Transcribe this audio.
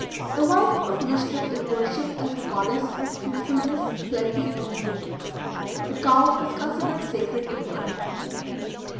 The wife of Vishnu is worshipped as the goddess of fruitfulness, plenty, and beauty. The cow is considered sacred to her.